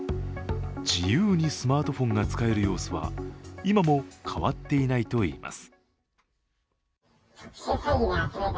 自由にスマートフォンが使える様子は、今も変わっていないといいます。